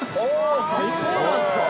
そうなんすか。